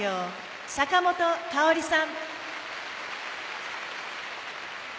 坂本花織さん。